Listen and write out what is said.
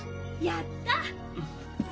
やった！